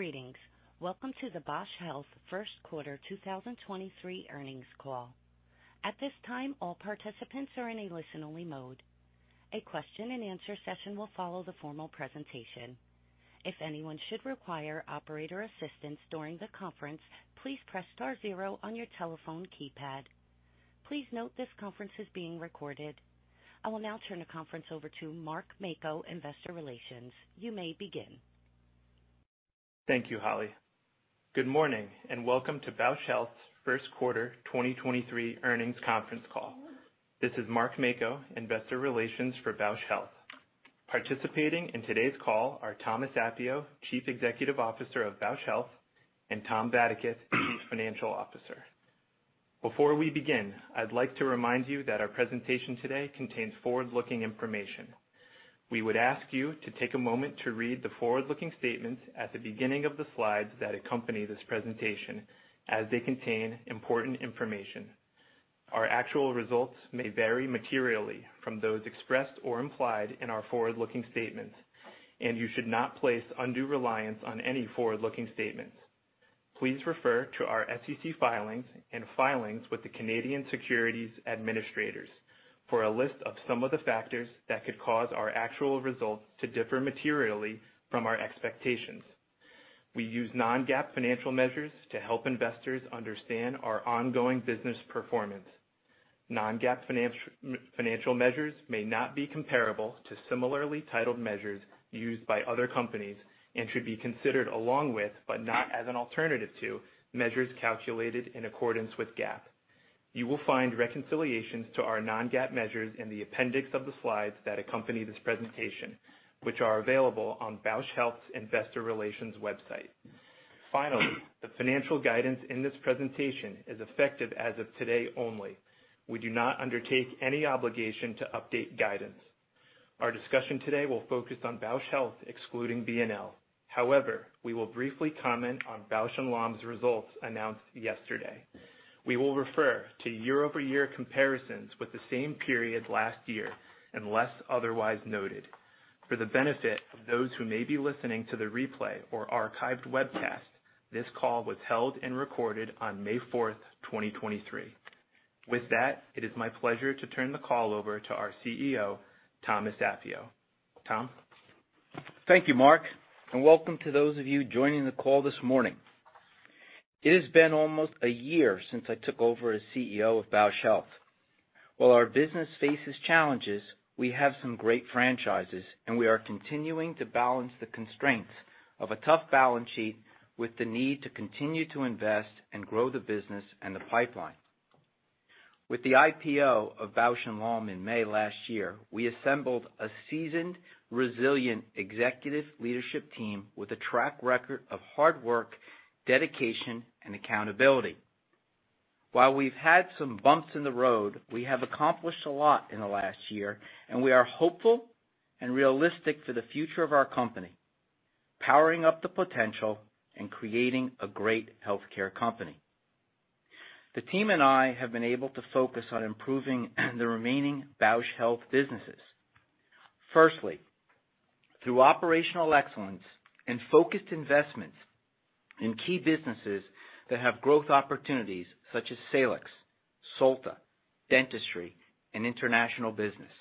Greetings. Welcome to the Bausch Health 1st quarter 2023 earnings call. At this time, all participants are in a listen-only mode. A question and answer session will follow the formal presentation. If anyone should require operator assistance during the conference, please press star zero on your telephone keypad. Please note this conference is being recorded. I will now turn the conference over to Mark Maico, Investor Relations. You may begin. Thank you, Holly. Good morning, and welcome to Bausch Health's first quarter 2023 earnings conference call. This is Mark Maico, Investor Relations for Bausch Health. Participating in today's call are Thomas Appio, Chief Executive Officer of Bausch Health, and Tom Vadaketh, Chief Financial Officer. Before we begin, I'd like to remind you that our presentation today contains forward-looking information. We would ask you to take a moment to read the forward-looking statements at the beginning of the slides that accompany this presentation, as they contain important information. Our actual results may vary materially from those expressed or implied in our forward-looking statements, and you should not place undue reliance on any forward-looking statements. Please refer to our SEC filings and filings with the Canadian Securities Administrators for a list of some of the factors that could cause our actual results to differ materially from our expectations. We use non-GAAP financial measures to help investors understand our ongoing business performance. Non-GAAP financial measures may not be comparable to similarly titled measures used by other companies and should be considered along with, but not as an alternative to, measures calculated in accordance with GAAP. You will find reconciliations to our non-GAAP measures in the appendix of the slides that accompany this presentation, which are available on Bausch Health's investor relations website. The financial guidance in this presentation is effective as of today only. We do not undertake any obligation to update guidance. Our discussion today will focus on Bausch Health, excluding BNL. However, we will briefly comment on Bausch + Lomb's results announced yesterday. We will refer to year-over-year comparisons with the same period last year, unless otherwise noted. For the benefit of those who may be listening to the replay or archived webcast, this call was held and recorded on May 4th, 2023. With that, it is my pleasure to turn the call over to our CEO, Thomas Appio. Tom? Thank you, Mark. Welcome to those of you joining the call this morning. It has been almost a year since I took over as CEO of Bausch Health. While our business faces challenges, we have some great franchises, and we are continuing to balance the constraints of a tough balance sheet with the need to continue to invest and grow the business and the pipeline. With the IPO of Bausch + Lomb in May last year, we assembled a seasoned, resilient executive leadership team with a track record of hard work, dedication, and accountability. While we've had some bumps in the road, we have accomplished a lot in the last year, and we are hopeful and realistic for the future of our company, powering up the potential and creating a great healthcare company. The team and I have been able to focus on improving the remaining Bausch Health businesses. Firstly, through operational excellence and focused investments in key businesses that have growth opportunities such as Salix, Solta, Dentistry, and International Business.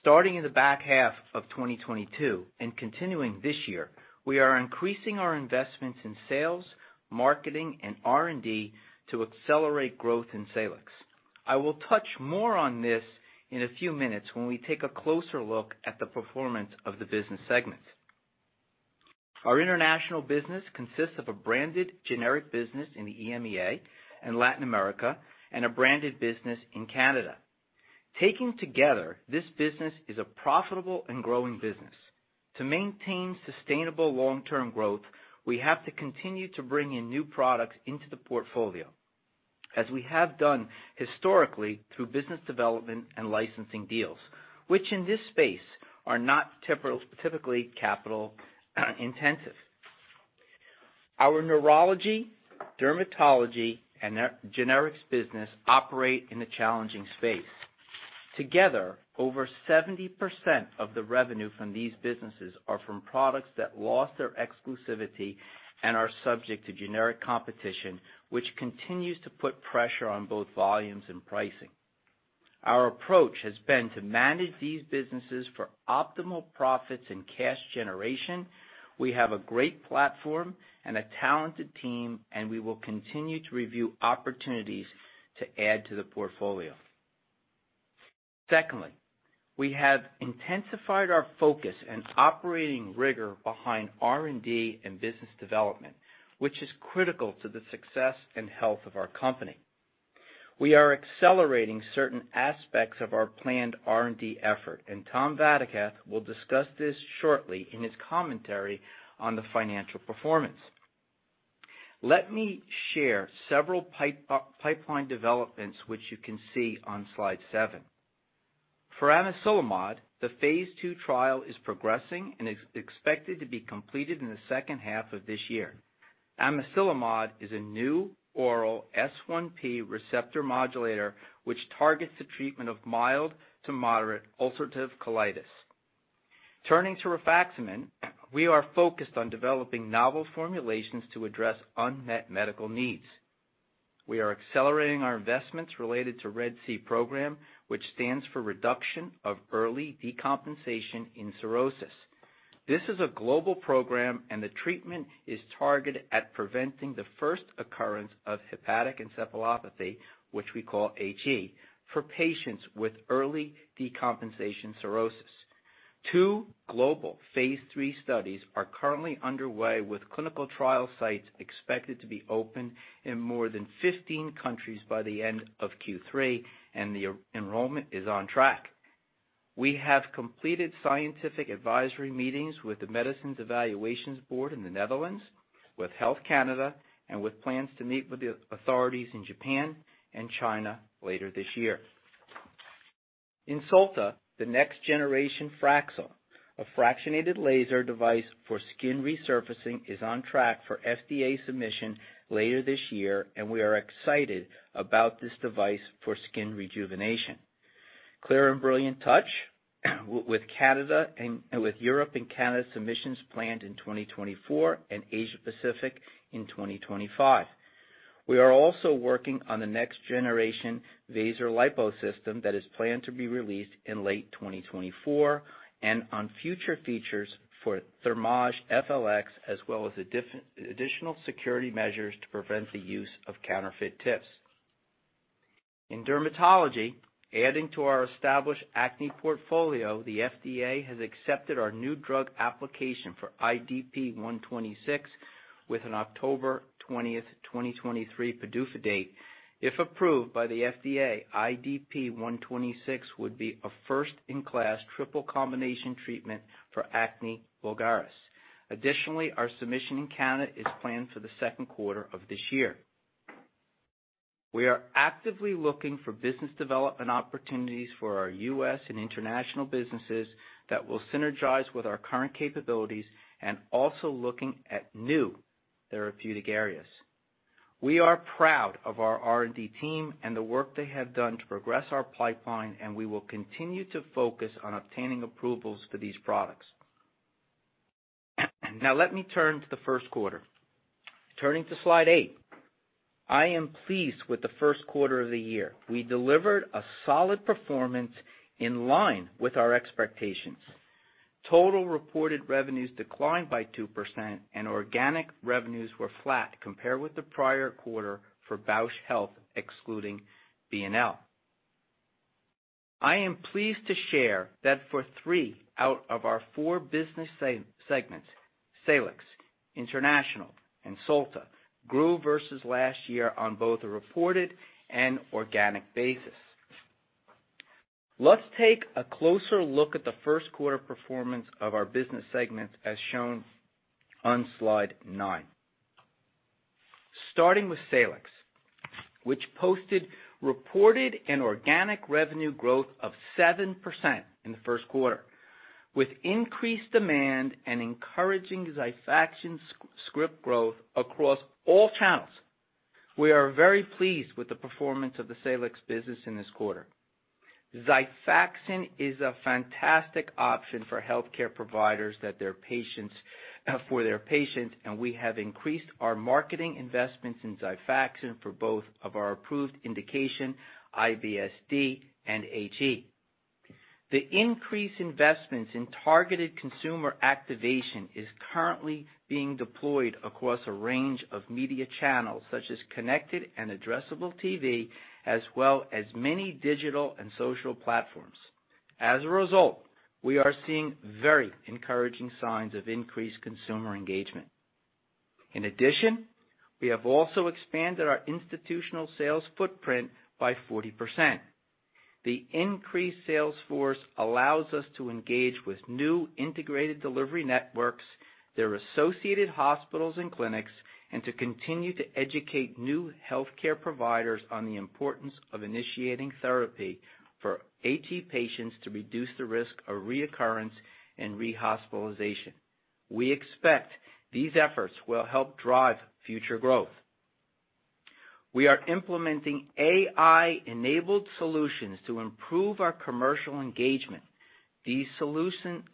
Starting in the back half of 2022 and continuing this year, we are increasing our investments in sales, marketing, and R&D to accelerate growth in Salix. I will touch more on this in a few minutes when we take a closer look at the performance of the business segments. Our international business consists of a branded generic business in the EMEA and Latin America, and a branded business in Canada. Taken together, this business is a profitable and growing business. To maintain sustainable long-term growth, we have to continue to bring in new products into the portfolio, as we have done historically through business development and licensing deals, which in this space are not typically capital intensive. Our neurology, dermatology, and our generics business operate in a challenging space. Together, over 70% of the revenue from these businesses are from products that lost their exclusivity and are subject to generic competition, which continues to put pressure on both volumes and pricing. Our approach has been to manage these businesses for optimal profits and cash generation. We have a great platform and a talented team, and we will continue to review opportunities to add to the portfolio. Secondly, we have intensified our focus and operating rigor behind R&D and business development, which is critical to the success and health of our company. We are accelerating certain aspects of our planned R&D effort, and Tom Vadaketh will discuss this shortly in his commentary on the financial performance. Let me share several pipeline developments which you can see on slide seven. For Amiselimod, the phase II trial is progressing and expected to be completed in the second half of this year. Amiselimod is a new oral S1P receptor modulator which targets the treatment of mild to moderate ulcerative colitis. Turning to rifaximin, we are focused on developing novel formulations to address unmet medical needs. We are accelerating our investments related to RED-C program, which stands for Reduction of Early Decompensation in Cirrhosis. This is a global program, and the treatment is targeted at preventing the first occurrence of hepatic encephalopathy, which we call HE, for patients with early decompensation cirrhosis. Two global phase III studies are currently underway with clinical trial sites expected to be open in more than 15 countries by the end of Q3, and the enrollment is on track. We have completed scientific advisory meetings with the Medicines Evaluation Board in the Netherlands, with Health Canada, and with plans to meet with the authorities in Japan and China later this year. In Solta, the next generation Fraxel, a fractionated laser device for skin resurfacing, is on track for FDA submission later this year, and we are excited about this device for skin rejuvenation. Clear + Brilliant Touch with Europe and Canada submissions planned in 2024 and Asia-Pacific in 2025. We are also working on the next generation VASERlipo System that is planned to be released in late 2024 and on future features for Thermage FLX, as well as additional security measures to prevent the use of counterfeit tips. In dermatology, adding to our established acne portfolio, the FDA has accepted our new drug application for IDP-126 with an October 20th, 2023 PDUFA date. If approved by the FDA, IDP-126 would be a first-in-class triple combination treatment for acne vulgaris. Our submission in Canada is planned for the second quarter of this year. We are actively looking for business development opportunities for our U.S. and international businesses that will synergize with our current capabilities and also looking at new therapeutic areas. We are proud of our R&D team and the work they have done to progress our pipeline, we will continue to focus on obtaining approvals for these products. Let me turn to the first quarter. Turning to slide 8. I am pleased with the first quarter of the year. We delivered a solid performance in line with our expectations. Total reported revenues declined by 2% and organic revenues were flat compared with the prior quarter for Bausch Health, excluding BNL. I am pleased to share that for three out of our four business segments, Salix, International, and Solta grew versus last year on both a reported and organic basis. Let's take a closer look at the first quarter performance of our business segments as shown on slide nine. Starting with Salix, which posted reported and organic revenue growth of 7% in the first quarter. With increased demand and encouraging XIFAXAN script growth across all channels, we are very pleased with the performance of the Salix business in this quarter. XIFAXAN is a fantastic option for healthcare providers that their patients, for their patients, and we have increased our marketing investments in XIFAXAN for both of our approved indication, IBS-D and HE. The increased investments in targeted consumer activation is currently being deployed across a range of media channels, such as connected and addressable TV, as well as many digital and social platforms. We are seeing very encouraging signs of increased consumer engagement. We have also expanded our institutional sales footprint by 40%. The increased sales force allows us to engage with new integrated delivery networks, their associated hospitals and clinics, and to continue to educate new healthcare providers on the importance of initiating therapy for HE patients to reduce the risk of reoccurrence and rehospitalization. We expect these efforts will help drive future growth. We are implementing AI-enabled solutions to improve our commercial engagement. These solutions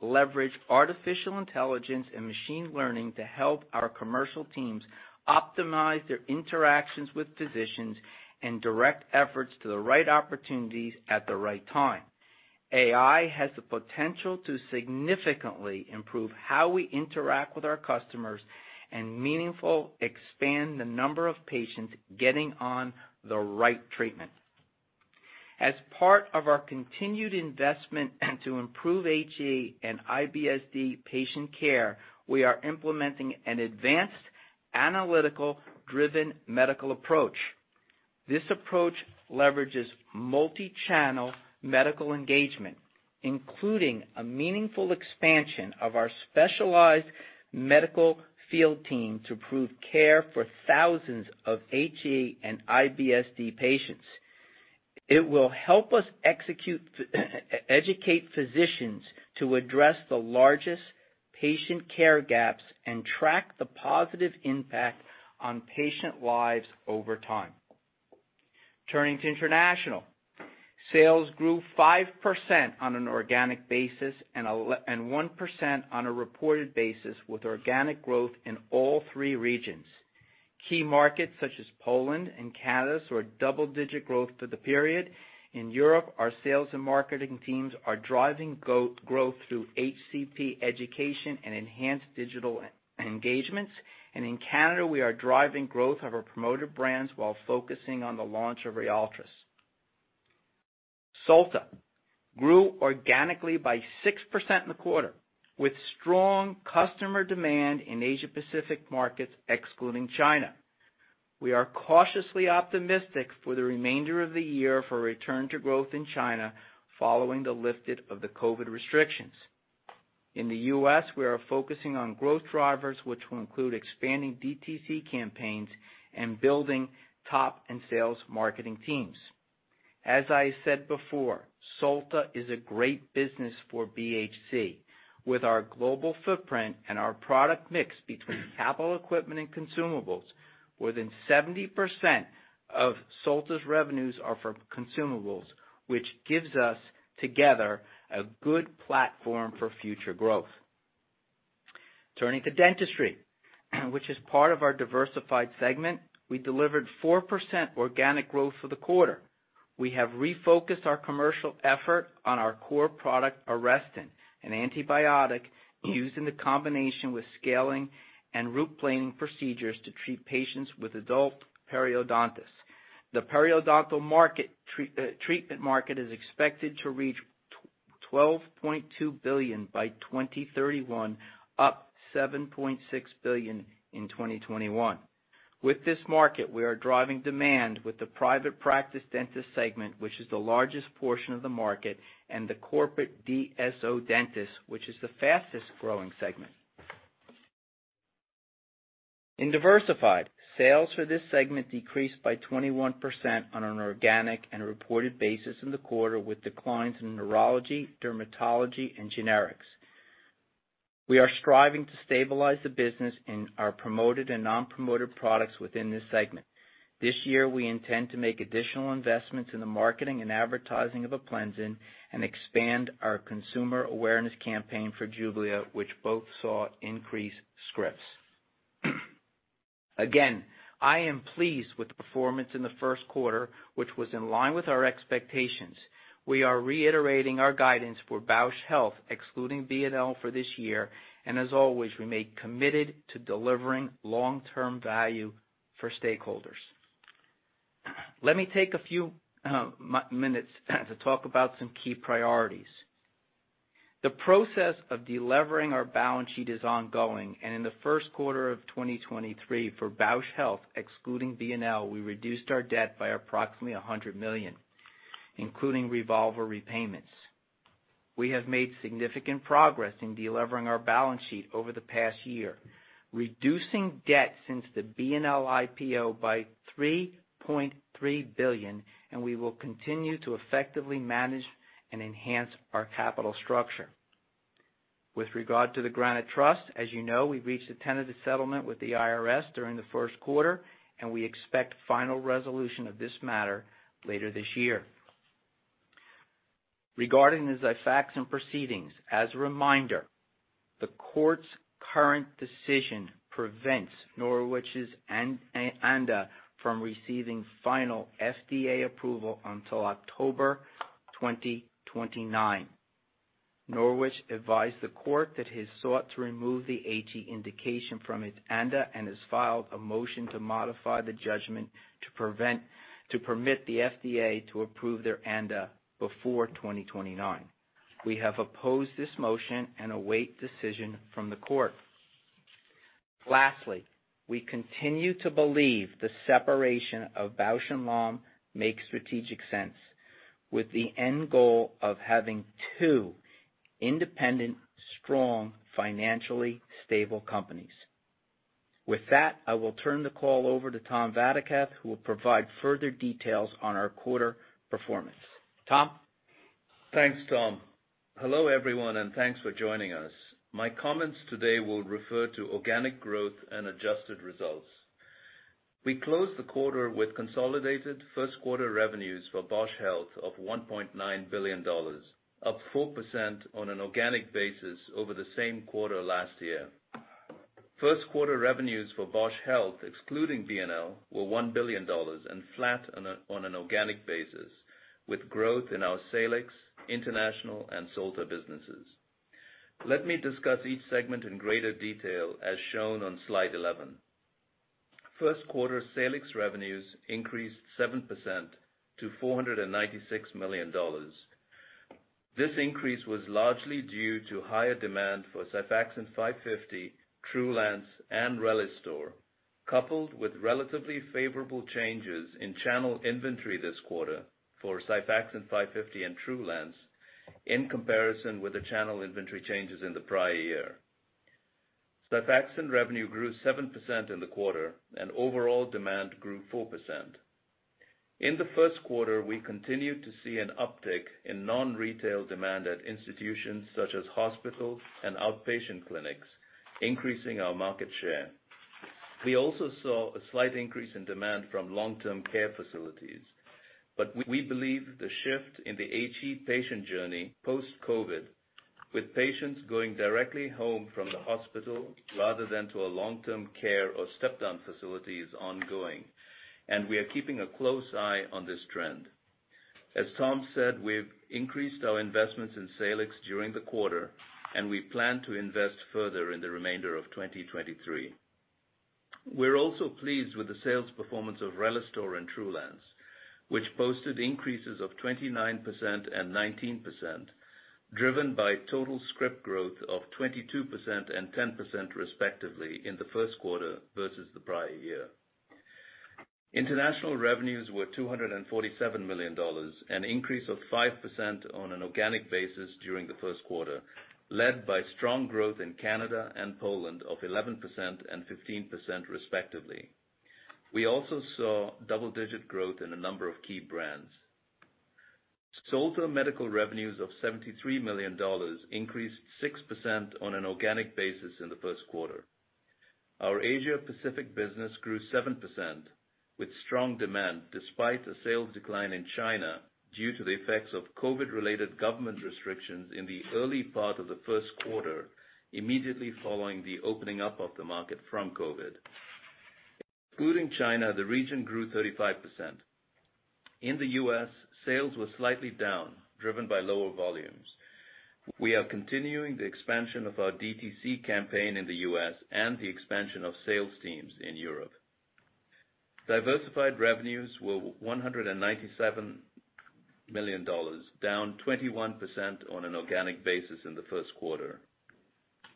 leverage artificial intelligence and machine learning to help our commercial teams optimize their interactions with physicians and direct efforts to the right opportunities at the right time. AI has the potential to significantly improve how we interact with our customers and meaningful expand the number of patients getting on the right treatment. As part of our continued investment to improve HE and IBS-D patient care, we are implementing an advanced analytical-driven medical approach. This approach leverages multi-channel medical engagement, including a meaningful expansion of our specialized medical field team to improve care for thousands of HE and IBS-D patients. It will help us execute educate physicians to address the largest patient care gaps and track the positive impact on patient lives over time. Turning to international. Sales grew 5% on an organic basis and 1% on a reported basis, with organic growth in all three regions. Key markets such as Poland and Canada saw a double-digit growth for the period. In Europe, our sales and marketing teams are driving go-growth through HCP education and enhanced digital e-engagements. In Canada, we are driving growth of our promoter brands while focusing on the launch of RYALTRIS. Solta grew organically by 6% in the quarter, with strong customer demand in Asia-Pacific markets, excluding China. We are cautiously optimistic for the remainder of the year for a return to growth in China following the lifted of the COVID restrictions. In the U.S., we are focusing on growth drivers, which will include expanding DTC campaigns and building top-end sales marketing teams. As I said before, Solta is a great business for BHC. With our global footprint and our product mix between capital equipment and consumables, more than 70% of Solta's revenues are from consumables, which gives us together a good platform for future growth. Turning to dentistry, which is part of our diversified segment, we delivered 4% organic growth for the quarter. We have refocused our commercial effort on our core product, ARESTIN, an antibiotic used in the combination with scaling and root planing procedures to treat patients with adult periodontitis. The periodontal treatment market is expected to reach $12.2 billion by 2031, up $7.6 billion in 2021. With this market, we are driving demand with the private practice dentist segment, which is the largest portion of the market, and the corporate DSO dentist, which is the fastest-growing segment. In diversified, sales for this segment decreased by 21% on an organic and reported basis in the quarter, with declines in neurology, dermatology, and generics. We are striving to stabilize the business in our promoted and non-promoted products within this segment. This year, we intend to make additional investments in the marketing and advertising of APLENZIN and expand our consumer awareness campaign for JUBLIA, which both saw increased scripts. Again, I am pleased with the performance in the first quarter, which was in line with our expectations. We are reiterating our guidance for Bausch Health, excluding BNL for this year, and as always, remain committed to delivering long-term value for stakeholders. Let me take a few minutes to talk about some key priorities. The process of delevering our balance sheet is ongoing, and in the first quarter of 2023 for Bausch Health, excluding BNL, we reduced our debt by approximately $100 million, including revolver repayments. We have made significant progress in delevering our balance sheet over the past year, reducing debt since the BNL IPO by $3.3 billion, and we will continue to effectively manage and enhance our capital structure. With regard to the Granite Trust, as you know, we've reached a tentative settlement with the IRS during the first quarter, and we expect final resolution of this matter later this year. Regarding the XIFAXAN proceedings, as a reminder, the court's current decision prevents Norwich's ANDA from receiving final FDA approval until October 2029. Norwich advised the court that he's sought to remove the HE indication from its ANDA and has filed a motion to modify the judgment to permit the FDA to approve their ANDA before 2029. We have opposed this motion and await decision from the court. Lastly, we continue to believe the separation of Bausch + Lomb makes strategic sense, with the end goal of having two independent, strong, financially stable companies. With that, I will turn the call over to Tom Vadaketh, who will provide further details on our quarter performance. Tom? Thanks, Tom. Hello, everyone, thanks for joining us. My comments today will refer to organic growth and adjusted results. We closed the quarter with consolidated first quarter revenues for Bausch Health of $1.9 billion, up 4% on an organic basis over the same quarter last year. First quarter revenues for Bausch Health, excluding BNL, were $1 billion and flat on an organic basis, with growth in our Salix, International, and Solta businesses. Let me discuss each segment in greater detail as shown on slide 11. First quarter Salix revenues increased 7% to $496 million. This increase was largely due to higher demand for XIFAXAN 550 mg, TRULANCE, and RELISTOR, coupled with relatively favorable changes in channel inventory this quarter for XIFAXAN 550 mg and TRULANCE in comparison with the channel inventory changes in the prior year. XIFAXAN revenue grew 7% in the quarter and overall demand grew 4%. In the first quarter, we continued to see an uptick in non-retail demand at institutions such as hospitals and outpatient clinics, increasing our market share. We also saw a slight increase in demand from long-term care facilities, but we believe the shift in the HE patient journey post-COVID, with patients going directly home from the hospital rather than to a long-term care or step-down facility is ongoing, and we are keeping a close eye on this trend. As Tom said, we've increased our investments in Salix during the quarter, we plan to invest further in the remainder of 2023. We're also pleased with the sales performance of RELISTOR and TRULANCE, which posted increases of 29% and 19%, driven by total script growth of 22% and 10% respectively in the first quarter versus the prior year. International revenues were $247 million, an increase of 5% on an organic basis during the first quarter, led by strong growth in Canada and Poland of 11% and 15% respectively. We also saw double-digit growth in a number of key brands. Solta Medical revenues of $73 million increased 6% on an organic basis in the first quarter. Our Asia-Pacific business grew 7%, with strong demand despite a sales decline in China due to the effects of COVID-related government restrictions in the early part of the first quarter, immediately following the opening up of the market from COVID. Excluding China, the region grew 35%. In the U.S., sales were slightly down, driven by lower volumes. We are continuing the expansion of our DTC campaign in the U.S. and the expansion of sales teams in Europe. Diversified revenues were $197 million, down 21% on an organic basis in the first quarter.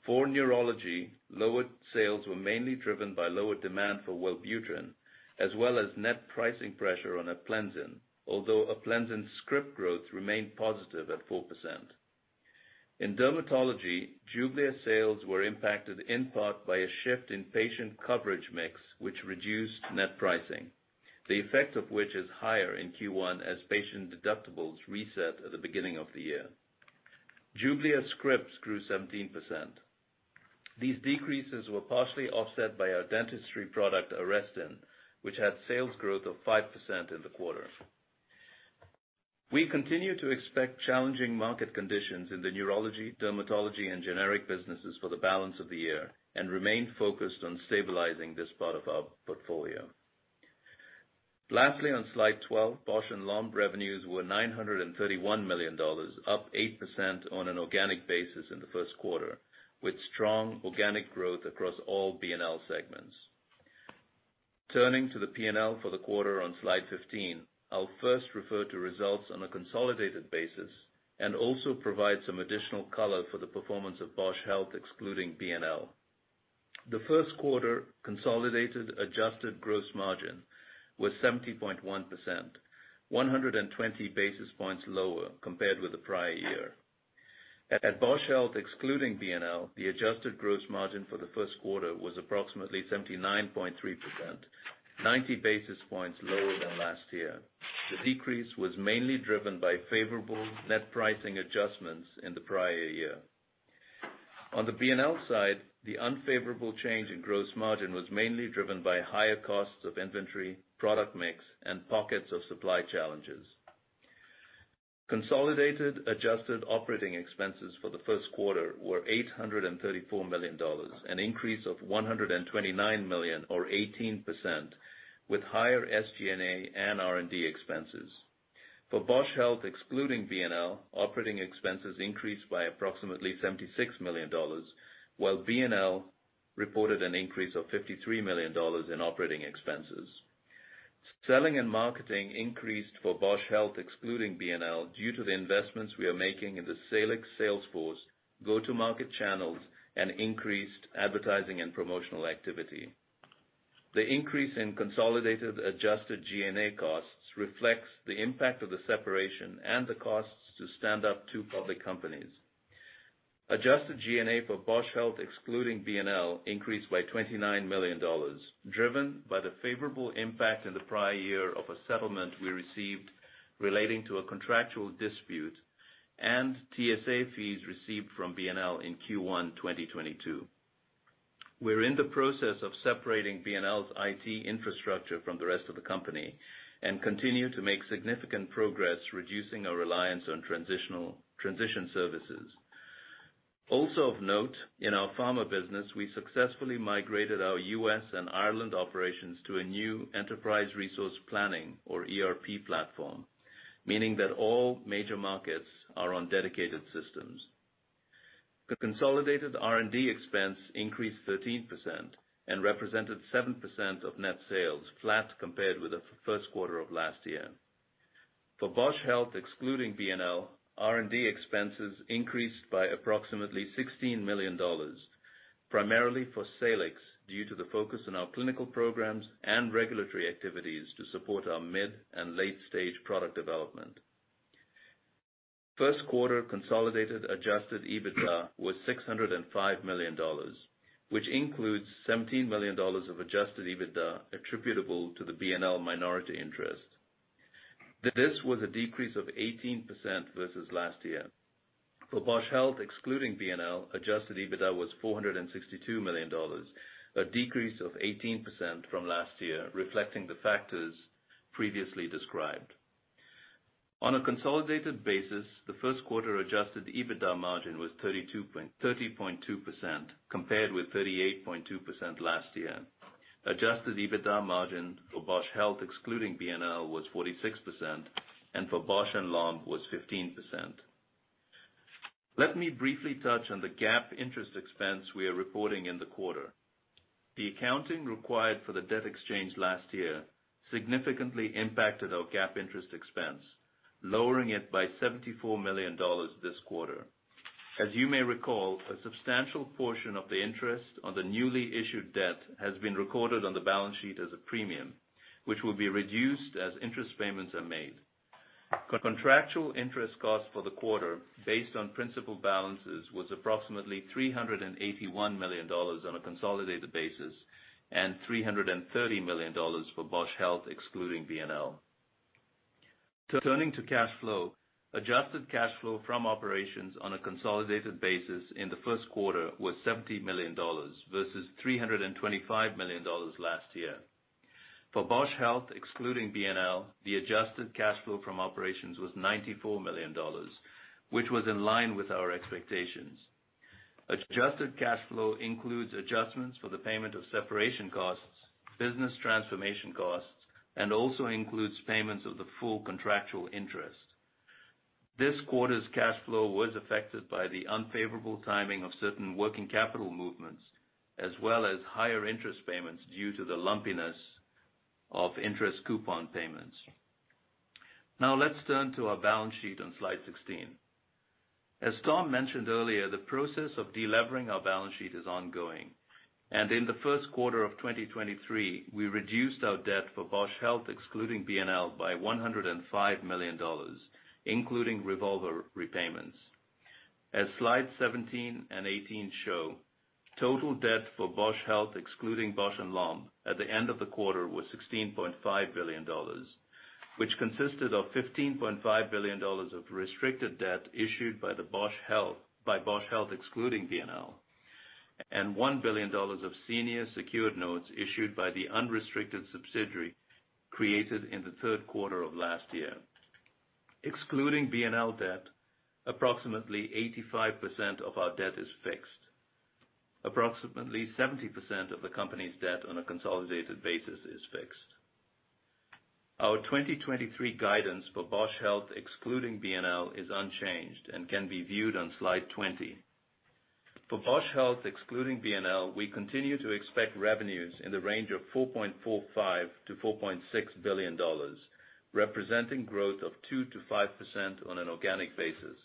For neurology, lower sales were mainly driven by lower demand for Wellbutrin, as well as net pricing pressure on APLENZIN, although APLENZIN script growth remained positive at 4%. In dermatology, JUBLIA sales were impacted in part by a shift in patient coverage mix, which reduced net pricing, the effect of which is higher in Q1 as patient deductibles reset at the beginning of the year. JUBLIA scripts grew 17%. These decreases were partially offset by our dentistry product, ARESTIN, which had sales growth of 5% in the quarter. We continue to expect challenging market conditions in the neurology, dermatology, and generic businesses for the balance of the year and remain focused on stabilizing this part of our portfolio. Lastly, on slide 12, Bausch + Lomb revenues were $931 million, up 8% on an organic basis in the first quarter, with strong organic growth across all BNL segments. Turning to the P&L for the quarter on slide 15, I'll first refer to results on a consolidated basis and also provide some additional color for the performance of Bausch Health, excluding BNL. The first quarter consolidated adjusted gross margin was 70.1%, 120 basis points lower compared with the prior year. At Bausch Health, excluding BNL, the adjusted gross margin for the first quarter was approximately 79.3%, 90 basis points lower than last year. The decrease was mainly driven by favorable net pricing adjustments in the prior year. On the BNL side, the unfavorable change in gross margin was mainly driven by higher costs of inventory, product mix, and pockets of supply challenges. Consolidated adjusted operating expenses for the first quarter were $834 million, an increase of $129 million or 18%, with higher SG&A and R&D expenses. For Bausch Health, excluding BNL, operating expenses increased by approximately $76 million, while BNL reported an increase of $53 million in operating expenses. Selling and marketing increased for Bausch Health, excluding BNL, due to the investments we are making in the Salix sales force, go-to-market channels, and increased advertising and promotional activity. The increase in consolidated adjusted G&A costs reflects the impact of the separation and the costs to stand up two public companies. Adjusted G&A for Bausch Health, excluding BNL, increased by $29 million, driven by the favorable impact in the prior year of a settlement we received relating to a contractual dispute and TSA fees received from BNL in Q1 2022. We're in the process of separating BNL's IT infrastructure from the rest of the company and continue to make significant progress reducing our reliance on transition services. Of note, in our pharma business, we successfully migrated our U.S. and Ireland operations to a new enterprise resource planning or ERP platform, meaning that all major markets are on dedicated systems. The consolidated R&D expense increased 13% and represented 7% of net sales, flat compared with the first quarter of last year. For Bausch Health, excluding BNL, R&D expenses increased by approximately $16 million, primarily for Salix due to the focus on our clinical programs and regulatory activities to support our mid- and late-stage product development. First quarter consolidated adjusted EBITDA was $605 million, which includes $17 million of adjusted EBITDA attributable to the BNL minority interest. This was a decrease of 18% versus last year. For Bausch Health, excluding BNL, adjusted EBITDA was $462 million, a decrease of 18% from last year, reflecting the factors previously described. On a consolidated basis, the first quarter adjusted EBITDA margin was 30.2% compared with 38.2% last year. Adjusted EBITDA margin for Bausch Health, excluding BNL, was 46%, and for Bausch + Lomb was 15%. Let me briefly touch on the GAAP interest expense we are reporting in the quarter. The accounting required for the debt exchange last year significantly impacted our GAAP interest expense, lowering it by $74 million this quarter. As you may recall, a substantial portion of the interest on the newly issued debt has been recorded on the balance sheet as a premium, which will be reduced as interest payments are made. Contractual interest cost for the quarter based on principal balances was approximately $381 million on a consolidated basis and $330 million for Bausch Health, excluding BNL. Turning to cash flow. Adjusted cash flow from operations on a consolidated basis in the first quarter was $70 million versus $325 million last year. For Bausch Health, excluding BNL, the adjusted cash flow from operations was $94 million, which was in line with our expectations. Adjusted cash flow includes adjustments for the payment of separation costs, business transformation costs, and also includes payments of the full contractual interest. This quarter's cash flow was affected by the unfavorable timing of certain working capital movements, as well as higher interest payments due to the lumpiness of interest coupon payments. Let's turn to our balance sheet on slide 16. As Tom mentioned earlier, the process of delevering our balance sheet is ongoing, and in the first quarter of 2023, we reduced our debt for Bausch Health, excluding BNL, by $105 million, including revolver repayments. As slides 17 and 18 show, total debt for Bausch Health, excluding Bausch + Lomb, at the end of the quarter was $16.5 billion, which consisted of $15.5 billion of restricted debt issued by Bausch Health excluding BNL, and $1 billion of senior secured notes issued by the unrestricted subsidiary created in the third quarter of last year. Excluding BNL debt, approximately 85% of our debt is fixed. Approximately 70% of the company's debt on a consolidated basis is fixed. Our 2023 guidance for Bausch Health, excluding BNL, is unchanged and can be viewed on slide 20. For Bausch Health, excluding BNL, we continue to expect revenues in the range of $4.45 billion-$4.6 billion, representing growth of 2%-5% on an organic basis.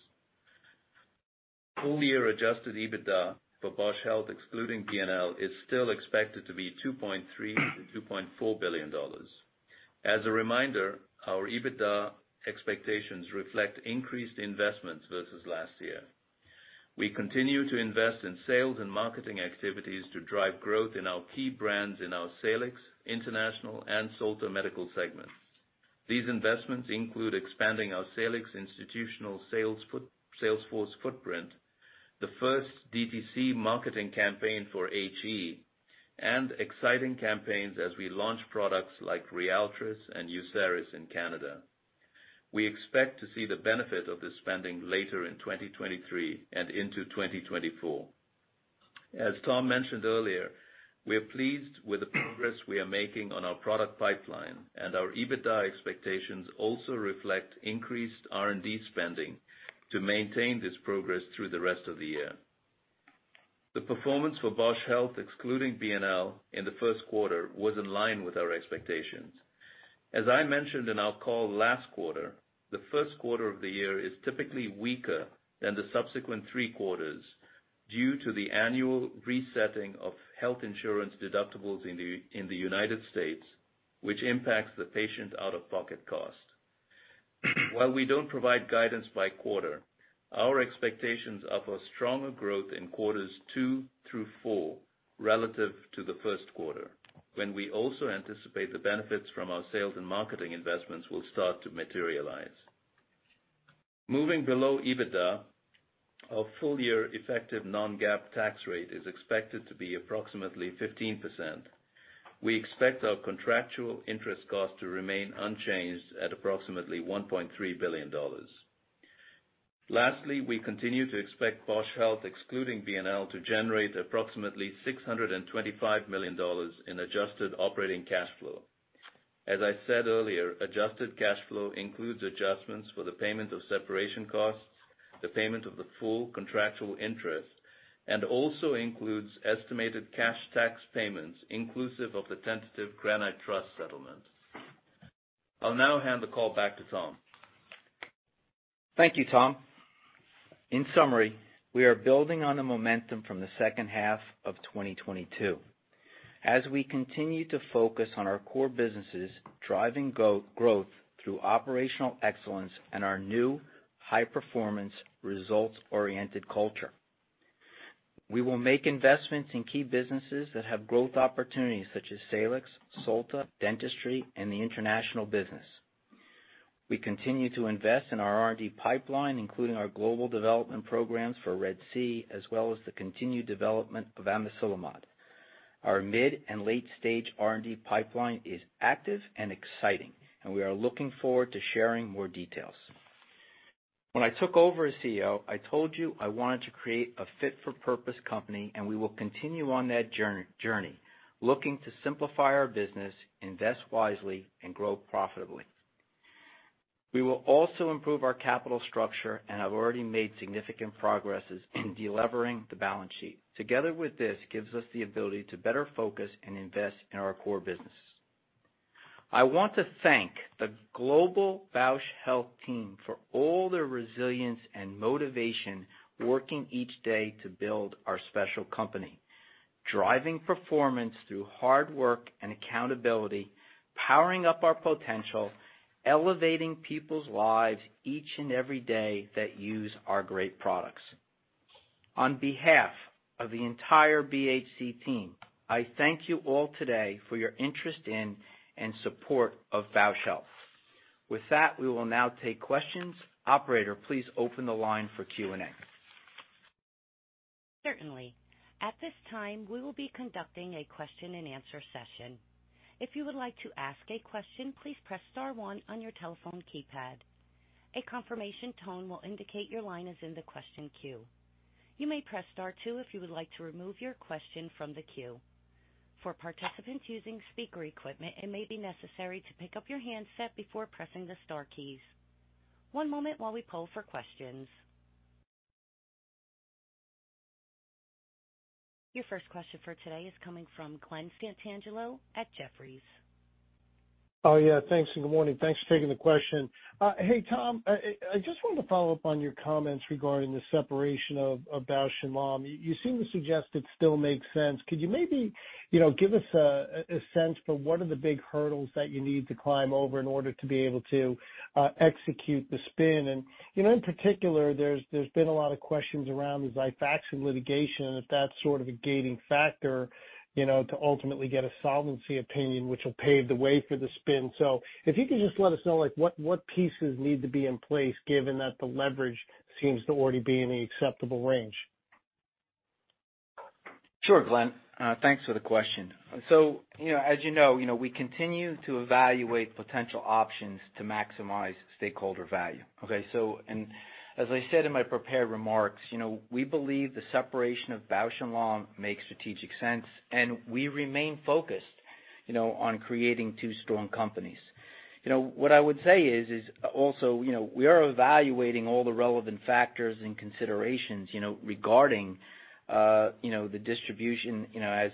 Full year adjusted EBITDA for Bausch Health, excluding BNL, is still expected to be $2.3 billion-$2.4 billion. As a reminder, our EBITDA expectations reflect increased investments versus last year. We continue to invest in sales and marketing activities to drive growth in our key brands in our Salix, International, and Solta Medical segments. These investments include expanding our Salix institutional sales force footprint, the first DTC marketing campaign for HE, and exciting campaigns as we launch products like RYALTRIS and VYZULTA in Canada. We expect to see the benefit of this spending later in 2023 and into 2024. As Tom mentioned earlier, we are pleased with the progress we are making on our product pipeline, and our EBITDA expectations also reflect increased R&D spending to maintain this progress through the rest of the year. The performance for Bausch Health, excluding BNL, in the first quarter was in line with our expectations. As I mentioned in our call last quarter, the first quarter of the year is typically weaker than the subsequent three quarters due to the annual resetting of health insurance deductibles in the United States, which impacts the patient out-of-pocket cost. While we don't provide guidance by quarter, our expectations are for stronger growth in quarters two through four relative to the first quarter, when we also anticipate the benefits from our sales and marketing investments will start to materialize. Moving below EBITDA, our full-year effective non-GAAP tax rate is expected to be approximately 15%. We expect our contractual interest cost to remain unchanged at approximately $1.3 billion. Lastly, we continue to expect Bausch Health, excluding BNL, to generate approximately $625 million in adjusted operating cash flow. As I said earlier, adjusted cash flow includes adjustments for the payment of separation costs, the payment of the full contractual interest, and also includes estimated cash tax payments inclusive of the tentative Granite Trust settlement. I'll now hand the call back to Tom. Thank you, Tom. In summary, we are building on the momentum from the second half of 2022. As we continue to focus on our core businesses, driving go-growth through operational excellence and our new high performance results-oriented culture. We will make investments in key businesses that have growth opportunities such as Salix, Solta, Dentistry, and the international business. We continue to invest in our R&D pipeline, including our global development programs for RED-C, as well as the continued development of Amiselimod. Our mid and late-stage R&D pipeline is active and exciting. We are looking forward to sharing more details. When I took over as CEO, I told you I wanted to create a fit for purpose company. We will continue on that journey, looking to simplify our business, invest wisely and grow profitably. We will also improve our capital structure. I've already made significant progresses in delevering the balance sheet. Together with this gives us the ability to better focus and invest in our core business. I want to thank the global Bausch Health team for all their resilience and motivation, working each day to build our special company, driving performance through hard work and accountability, powering up our potential, elevating people's lives each and every day that use our great products. On behalf of the entire BHC team, I thank you all today for your interest in and support of Bausch Health. With that, we will now take questions. Operator, please open the line for Q&A. Certainly. At this time, we will be conducting a question and answer session. If you would like to ask a question, please press star one on your telephone keypad. A confirmation tone will indicate your line is in the question queue. You may press star two if you would like to remove your question from the queue. For participants using speaker equipment, it may be necessary to pick up your handset before pressing the star keys. One moment while we poll for questions. Your first question for today is coming from Glen Santangelo at Jefferies. Oh, yeah. Thanks, and good morning. Thanks for taking the question. Hey, Tom. I just wanted to follow up on your comments regarding the separation of Bausch + Lomb. You seem to suggest it still makes sense. Could you maybe, you know, give us a sense for what are the big hurdles that you need to climb over in order to be able to execute the spin? In particular, you know, there's been a lot of questions around the XIFAXAN litigation and if that's sort of a gating factor, you know, to ultimately get a solvency opinion which will pave the way for the spin. If you could just let us know, like, what pieces need to be in place given that the leverage seems to already be in the acceptable range. Sure, Glen. Thanks for the question. You know, as you know, we continue to evaluate potential options to maximize stakeholder value. Okay, as I said in my prepared remarks, you know, we believe the separation of Bausch + Lomb makes strategic sense, and we remain focused, you know, on creating two strong companies. You know, what I would say is also, you know, we are evaluating all the relevant factors and considerations, you know, regarding, you know, the distribution, you know,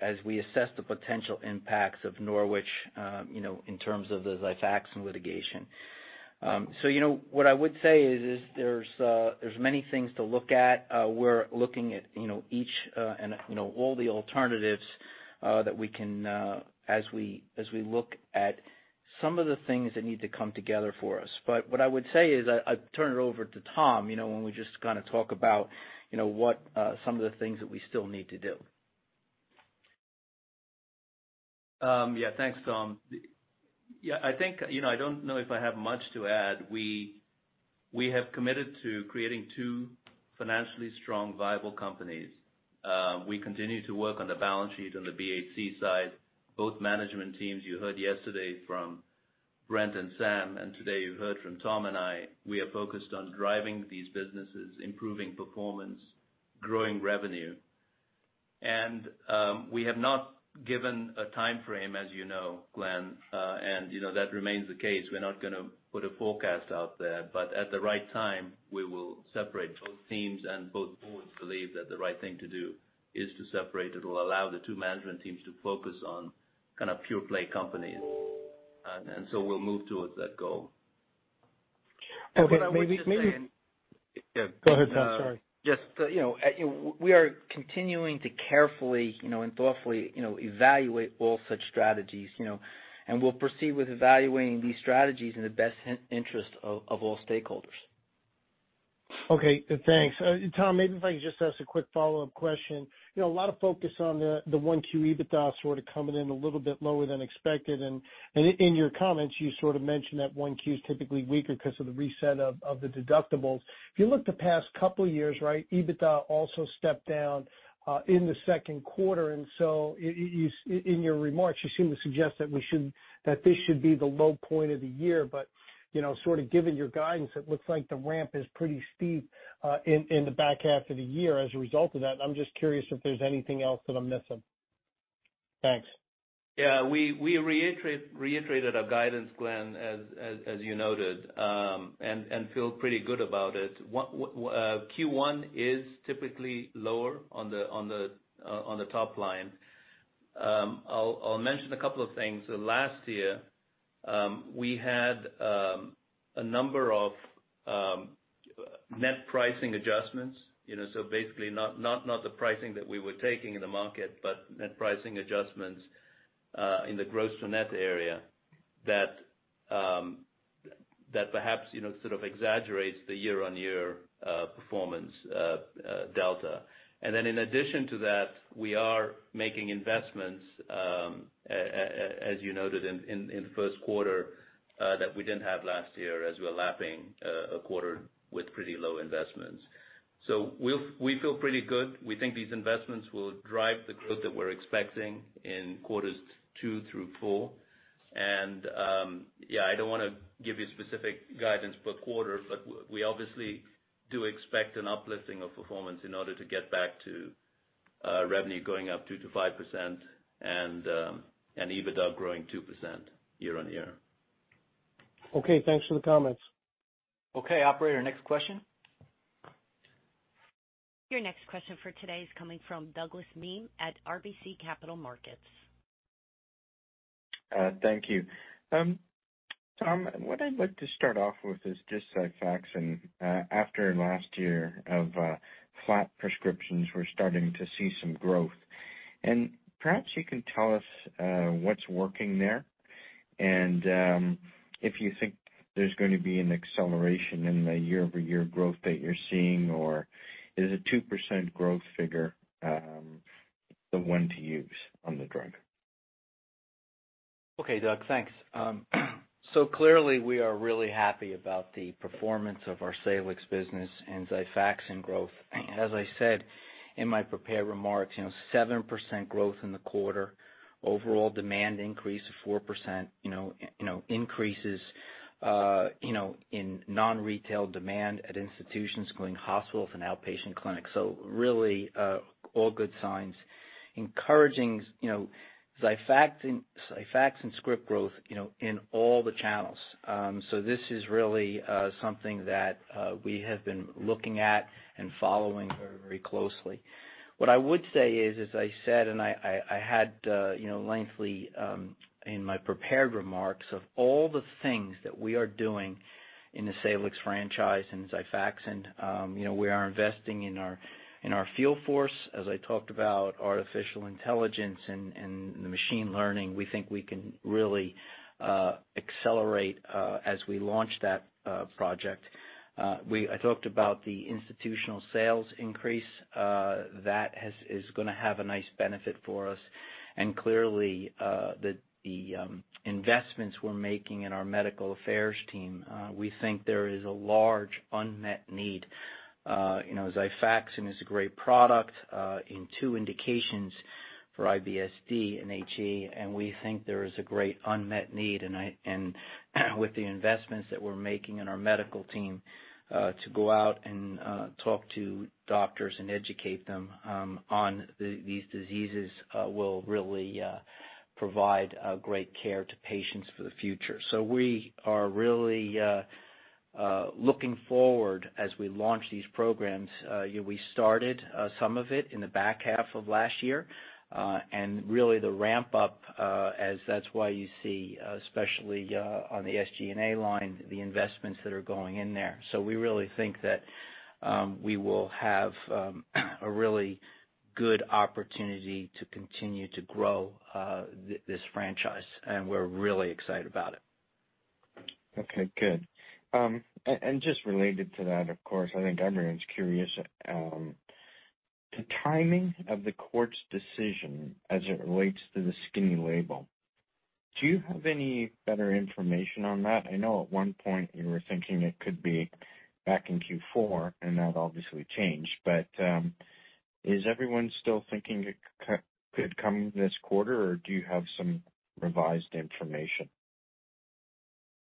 as we assess the potential impacts of Norwich, you know, in terms of the XIFAXAN litigation. You know, what I would say is there's many things to look at. We're looking at, you know, each, and, you know, all the alternatives, that we can, as we, as we look at some of the things that need to come together for us. What I would say is, I'll turn it over to Tom, you know, when we just kinda talk about, you know, what, some of the things that we still need to do. Yeah, thanks, Tom. Yeah, I think, you know, I don't know if I have much to add. We have committed to creating two financially strong, viable companies. We continue to work on the balance sheet on the BHC side, both management teams you heard yesterday from Brent and Sam, and today you heard from Tom and I, we are focused on driving these businesses, improving performance, growing revenue. We have not given a timeframe as you know, Glen. You know, that remains the case. We're not gonna put a forecast out there, but at the right time, we will separate both teams and both boards believe that the right thing to do is to separate. It will allow the two management teams to focus on kind of pure-play companies. We'll move towards that goal. Okay. What I would just say. Go ahead, Tom. Sorry. Just, you know, we are continuing to carefully, you know, and thoughtfully, you know, evaluate all such strategies, you know, and we'll proceed with evaluating these strategies in the best interest of all stakeholders. Okay, thanks. Tom, maybe if I could just ask a quick follow-up question. You know, a lot of focus on the 1 Q EBITDA sort of coming in a little bit lower than expected, and in your comments you sort of mentioned that 1 Q is typically weaker 'cause of the reset of the deductibles. If you look the past couple years, right, EBITDA also stepped down in the second quarter. In your remarks, you seem to suggest that this should be the low point of the year, but, you know, sort of given your guidance, it looks like the ramp is pretty steep in the back half of the year as a result of that. I'm just curious if there's anything else that I'm missing. Thanks. We reiterated our guidance, Glen, as you noted, and feel pretty good about it. Q1 is typically lower on the top line. I'll mention a couple of things. Last year, we had a number of net pricing adjustments, you know, so basically not the pricing that we were taking in the market, but net pricing adjustments in the gross to net area that perhaps, you know, sort of exaggerates the year-on-year performance delta. In addition to that, we are making investments as you noted in the first quarter that we didn't have last year as we're lapping a quarter with pretty low investments. We feel pretty good. We think these investments will drive the growth that we're expecting in quarters two through four. Yeah, I don't wanna give you specific guidance per quarter, but we obviously do expect an uplifting of performance in order to get back to revenue going up 2%-5% and EBITDA growing 2% year-on-year. Okay, thanks for the comments. Okay. Operator, next question. Your next question for today is coming from Douglas Miehm at RBC Capital Markets. Thank you. Tom, what I'd like to start off with is just XIFAXAN. After last year of flat prescriptions, we're starting to see some growth. Perhaps you can tell us what's working there and if you think there's gonna be an acceleration in the year-over-year growth that you're seeing, or is a 2% growth figure, the one to use on the drug? Okay. Doug, thanks. Clearly we are really happy about the performance of our Salix business and XIFAXAN growth. As I said in my prepared remarks, you know, 7% growth in the quarter, overall demand increase of 4%, increases in non-retail demand at institutions, including hospitals and outpatient clinics. Really, all good signs. Encouraging, you know, XIFAXAN script growth, you know, in all the channels. This is really something that we have been looking at and following very, very closely. What I would say is, as I said, and I had, you know, lengthily in my prepared remarks of all the things that we are doing in the Salix franchise and XIFAXAN, you know, we are investing in our field force, as I talked about artificial intelligence and the machine learning. We think we can really accelerate as we launch that project. I talked about the institutional sales increase that is gonna have a nice benefit for us. Clearly, the investments we're making in our medical affairs team, we think there is a large unmet need. You know, XIFAXAN is a great product in two indications for IBS-D and HE, and we think there is a great unmet need. With the investments that we're making in our medical team, to go out and talk to doctors and educate them, on these diseases, will really provide great care to patients for the future. We are really looking forward as we launch these programs. Yeah, we started some of it in the back half of last year, and really the ramp up, as that's why you see, especially, on the SG&A line, the investments that are going in there. We really think that we will have a really good opportunity to continue to grow this franchise, and we're really excited about it. Okay, good, and just related to that, of course, I think everyone's curious, the timing of the court's decision as it relates to the skinny label, do you have any better information on that? I know at one point you were thinking it could be back in Q4, and that obviously changed. Is everyone still thinking it could come this quarter, or do you have some revised information?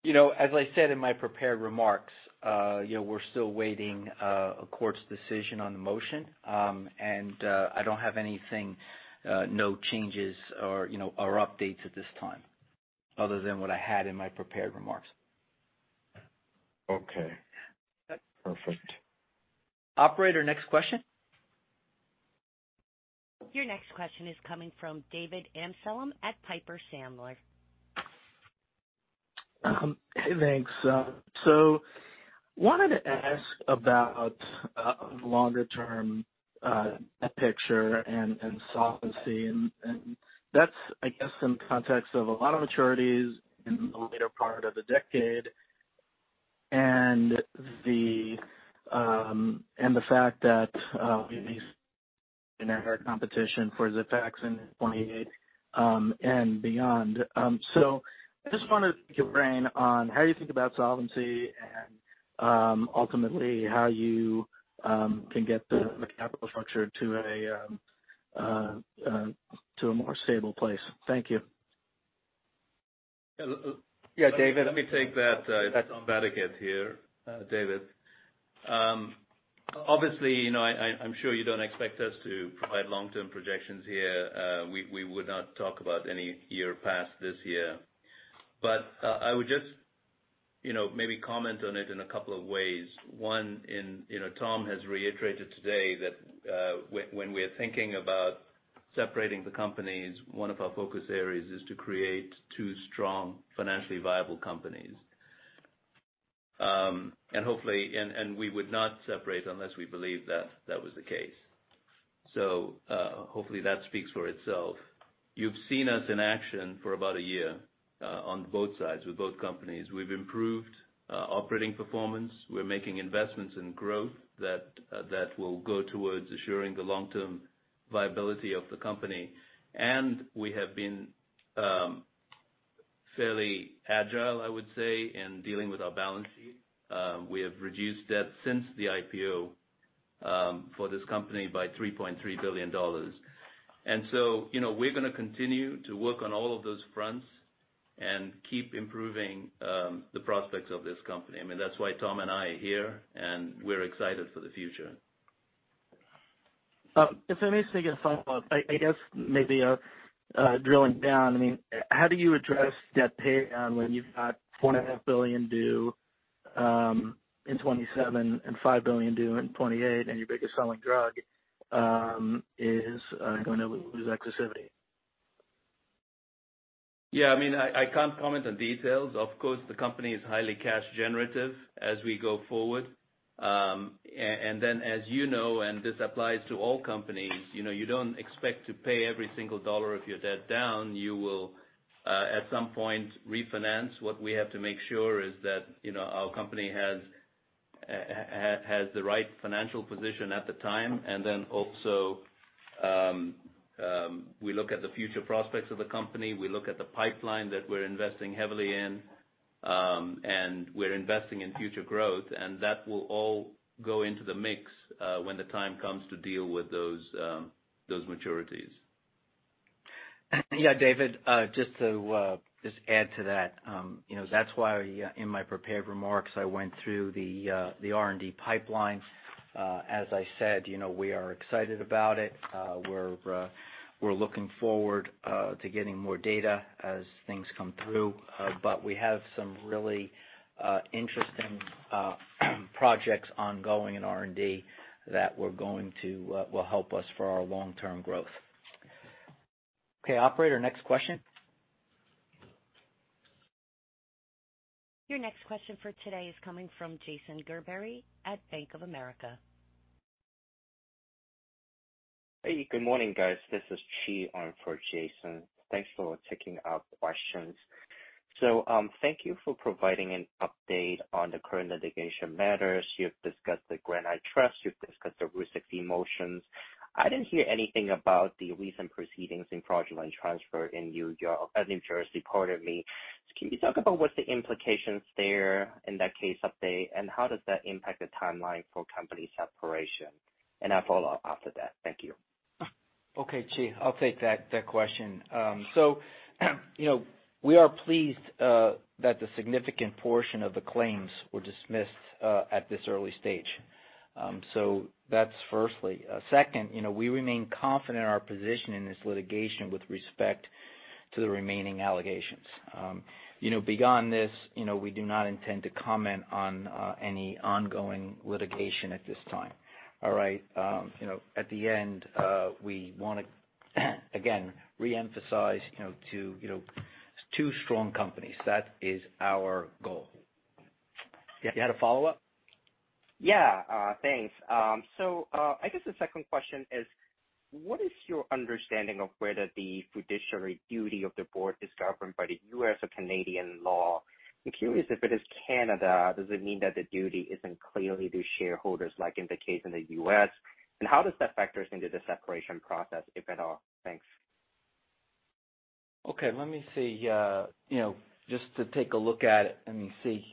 You know, as I said in my prepared remarks, you know, we're still waiting a court's decision on the motion. I don't have anything, no changes or, you know, or updates at this time other than what I had in my prepared remarks. Okay. Perfect. Operator, next question. Your next question is coming from David Amsellem at Piper Sandler. Hey, thanks. Wanted to ask about longer term picture and solvency. That's I guess, in context of a lot of maturities in the later part of the decade and the fact that we've been in a hard competition for XIFAXAN 28 and beyond. I just wanted to pick your brain on how you think about solvency and ultimately how you can get the capital structure to a more stable place. Thank you. Yeah, David. Let me take that. It's Tom Vadaketh here, David. Obviously, you know, I, I'm sure you don't expect us to provide long-term projections here. We, we would not talk about any year past this year. You know, maybe comment on it in a couple of ways. One, in, you know, Tom has reiterated today that, when we're thinking about separating the companies, one of our focus areas is to create two strong financially viable companies. Hopefully... we would not separate unless we believe that that was the case. Hopefully that speaks for itself. You've seen us in action for about a year, on both sides with both companies. We've improved operating performance. We're making investments in growth that will go towards assuring the long-term viability of the company. We have been fairly agile, I would say, in dealing with our balance sheet. We have reduced debt since the IPO for this company by $3.3 billion. You know, we're gonna continue to work on all of those fronts and keep improving the prospects of this company. I mean, that's why Tom and I are here, and we're excited for the future. If I may sneak in a follow-up. I guess maybe drilling down, I mean, how do you address debt pay down when you've got $4.5 billion due in 2027 and $5 billion due in 2028 and your biggest selling drug is going to lose exclusivity? Yeah, I mean, I can't comment on details. Of course, the company is highly cash generative as we go forward. As you know, and this applies to all companies, you know, you don't expect to pay every single dollar of your debt down. You will at some point, refinance. What we have to make sure is that, you know, our company has the right financial position at the time, and then also, we look at the future prospects of the company, we look at the pipeline that we're investing heavily in, and we're investing in future growth, and that will all go into the mix when the time comes to deal with those maturities. Yeah, David, just to just add to that, you know, that's why in my prepared remarks, I went through the R&D pipeline. As I said, you know, we are excited about it. We're looking forward to getting more data as things come through. We have some really interesting projects ongoing in R&D that will help us for our long-term growth. Okay, operator, next question. Your next question for today is coming from Jason Gerberry at Bank of America. Hey, good morning, guys. This is Qi on for Jason. Thanks for taking our questions. Thank you for providing an update on the current litigation matters. You've discussed the Granite Trust, you've discussed the Rule 60 motions. I didn't hear anything about the recent proceedings in fraudulent transfer in New Jersey, pardon me. Can you talk about what the implications there in that case update, and how does that impact the timeline for company separation? A follow-up after that. Thank you. Okay, Qi, I'll take that question. You know, we are pleased that the significant portion of the claims were dismissed at this early stage. That's firstly. Second, you know, we remain confident in our position in this litigation with respect to the remaining allegations. You know, beyond this, you know, we do not intend to comment on any ongoing litigation at this time. All right, you know, at the end, we wanna again reemphasize, you know, two strong companies. That is our goal. You had a follow-up? Yeah, thanks. I guess the second question is, what is your understanding of whether the fiduciary duty of the board is governed by the U.S. or Canadian law? I'm curious if it is Canada, does it mean that the duty isn't clearly to shareholders like in the case in the U.S., and how does that factors into the separation process, if at all? Thanks. Okay, let me see, you know, just to take a look at it. Let me see.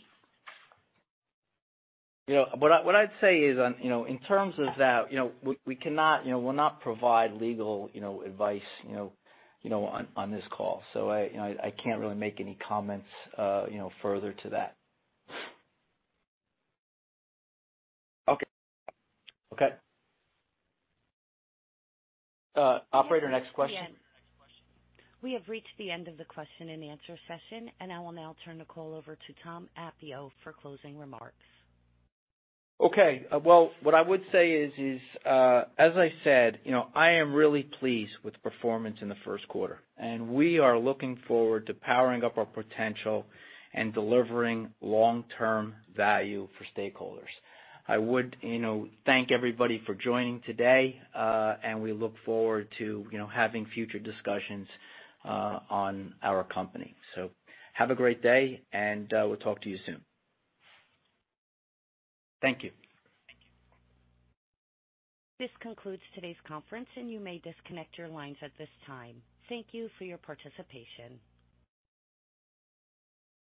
You know, what I'd say is on, you know, in terms of that, you know, we cannot, you know, we'll not provide legal, you know, advice, you know, on this call. I, you know, I can't really make any comments, you know, further to that. Okay. Okay. operator, next question. We have reached the end of the question and answer session, and I will now turn the call over to Thomas Appio for closing remarks. Okay. Well, what I would say is, as I said, you know, I am really pleased with the performance in the first quarter. We are looking forward to powering up our potential and delivering long-term value for stakeholders. I would, you know, thank everybody for joining today. We look forward to, you know, having future discussions on our company. Have a great day. We'll talk to you soon. Thank you. This concludes today's conference, and you may disconnect your lines at this time. Thank you for your participation.